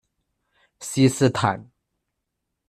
锡斯坦。